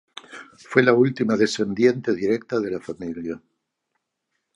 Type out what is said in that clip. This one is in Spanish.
Fue la última descendiente directa de la familia.